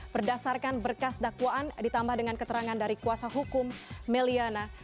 berdasarkan berkas dakwaan ditambah dengan keterangan dari kuasa hukum meliana